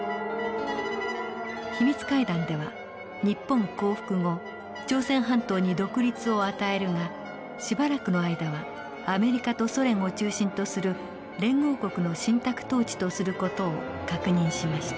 秘密会談では日本降伏後朝鮮半島に独立を与えるがしばらくの間はアメリカとソ連を中心とする連合国の信託統治とする事を確認しました。